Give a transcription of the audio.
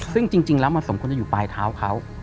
ซึ่งจริงแล้วมันสมควรจะอยู่ปลายเท้าเขา